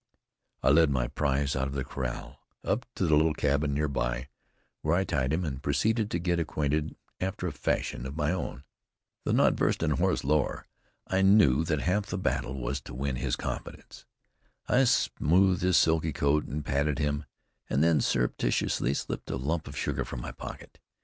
I led my prize out of the corral, up to the little cabin nearby, where I tied him, and proceeded to get acquainted after a fashion of my own. Though not versed in horse lore, I knew that half the battle was to win his confidence. I smoothed his silky coat, and patted him, and then surreptitiously slipped a lump of sugar from my pocket.